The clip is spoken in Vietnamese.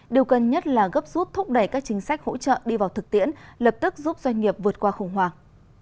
điều cần nhất là gấp rút thúc đẩy các chính sách hỗ trợ đi vào thực tiễn lập tức giúp doanh nghiệp vượt qua khủng hoảng